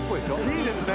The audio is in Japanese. いいですね。